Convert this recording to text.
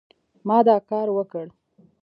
ما دا کار وکړ